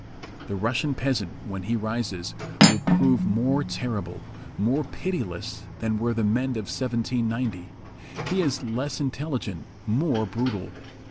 The Russian peasant, when he rises, will prove more terrible, more pitiless than were the men of 1790. He is less intelligent, more brutal.